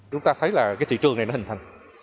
chúng ta thấy là cái thị trường này nó hình thành